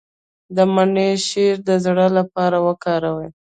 د مڼې شیره د زړه لپاره وکاروئ